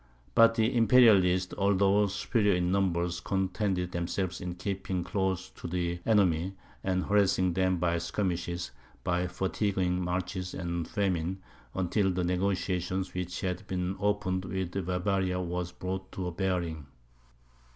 But the Imperialists, although superior in numbers, contented themselves with keeping close to the enemy, and harassing them by skirmishes, by fatiguing marches and famine, until the negociations which had been opened with Bavaria were brought to a bearing.